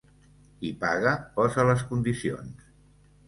Qui paga posa les condicions.